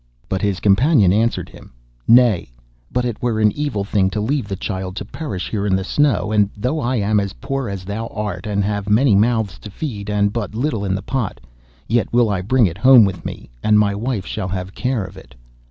But his companion answered him: 'Nay, but it were an evil thing to leave the child to perish here in the snow, and though I am as poor as thou art, and have many mouths to feed, and but little in the pot, yet will I bring it home with me, and my wife shall have care of it.